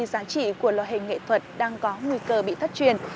giá trị của loài hình nghệ thuật đang có nguy cơ bị thất truyền